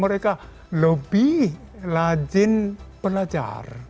mereka lebih lajin belajar